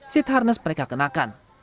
seat harness mereka kenakan